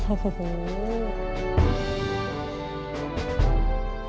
โอ้โฮ